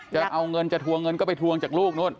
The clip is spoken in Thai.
จะเอาเงินจะทวงเงินก็ไปทวงจากลูกนู่น